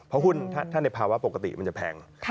เพราะหุ้นถ้าในภาวะปกติมันจะแพง